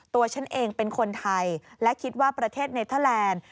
ตัวฉันเองเป็นคนไทยและคิดว่าประเทศเนเทอร์แลนด์